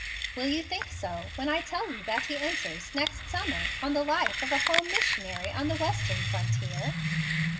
"Will you think so when I tell you that he enters, next summer, on the life of a home missionary on the Western frontier?"